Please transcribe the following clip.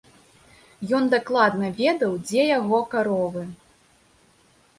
Ён дакладна ведаў, дзе яго каровы.